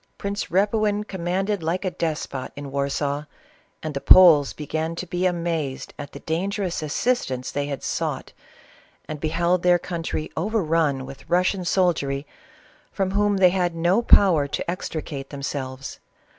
Prince Repuin commanded like a despot in a\v, and the Poles began to be amazed at the dan gerous assistance they had sought, and beheld their country overrun \vith Russian soldiery, from whom they had no power to extricate themselves.